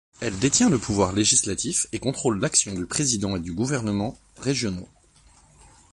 Elle détient le pouvoir législatif et contrôle l'action du président et du gouvernement régionaux.